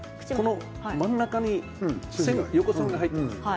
真ん中に横線が入ってますよね。